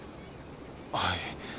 はい。